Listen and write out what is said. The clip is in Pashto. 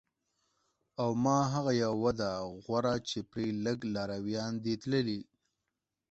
او ما هغه یوه ده غوره چې پرې لږ لارویان دي تللي